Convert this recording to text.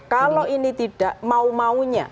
kalau ini tidak mau maunya